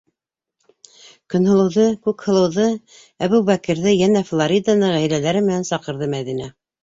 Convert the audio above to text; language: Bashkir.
Көнһылыуҙы, Күкһылыуҙы, Әбүбәкерҙе, йәнә Флориданы ғаиләләре менән саҡырҙы Мәҙинә.